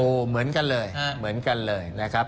โอ้โหเหมือนกันเลยเหมือนกันเลยนะครับ